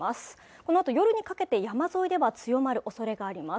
このあと夜にかけて山沿いでは強まるおそれがあります。